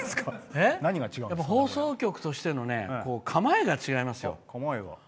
放送局としての構えが違いますよ。